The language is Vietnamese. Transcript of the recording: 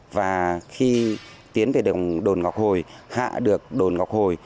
và khi tiến về đường ngọc hồi hạ được đồn ngọc hồi